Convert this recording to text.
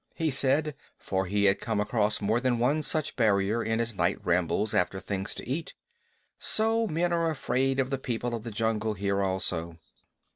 "Umph!" he said, for he had come across more than one such barricade in his night rambles after things to eat. "So men are afraid of the People of the Jungle here also."